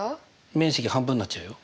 面積半分になっちゃうよ。